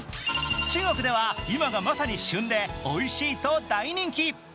中国では今がまさに旬でおいしいと大人気。